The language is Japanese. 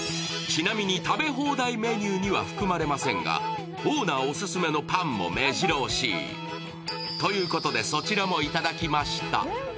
ちなみに食べ放題メニューには含まれませんがオーナーオススメのパンもめじろ押し。ということで、そちらも頂きました